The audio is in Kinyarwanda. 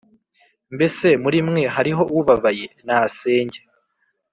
mbese muri mwe hariho ubabaye nasenge